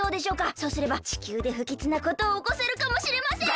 そうすればちきゅうでふきつなことをおこせるかもしれません！